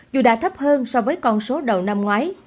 dù đã thấp hơn so với con số đầu năm ngoái